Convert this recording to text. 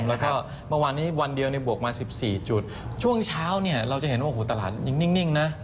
แล้วก็เมื่อวานนี้วันเดียวเนี่ยบวกมา๑๔จุดช่วงเช้าเนี่ยเราจะเห็นว่าโอ้โหตลาดยังนิ่งนะ